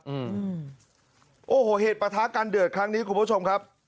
อืมโอ้โหเหตุประทะการเดือดครั้งนี้คุณผู้ชมครับ